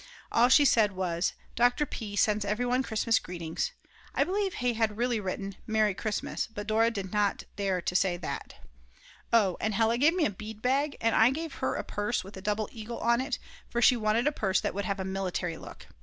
All she said was: "Dr. P. sends everyone Christmas greetings; I believe he had really written: Merry Christmas," but Dora did not dare to say that. Oh, and Hella gave me a bead bag, and I gave her a purse with the double eagle on it, for she wanted a purse that would have a military look.